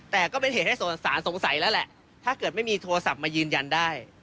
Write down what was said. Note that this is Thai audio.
แต่ก็เป็นเหตุให้สงสารสงสัยแล้วแหละถ้าเกิดไม่มีโทรศัพท์มายืนยันได้